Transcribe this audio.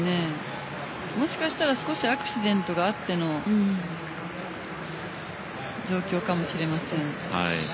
もしかしたら少しアクシデントがあっての状況かもしれません。